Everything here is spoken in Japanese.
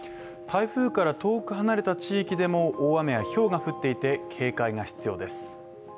台風から遠く離れた地域でも大雨やひょうが降っていて警戒が必要です。